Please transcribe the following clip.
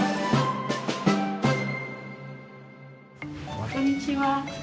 こんにちは。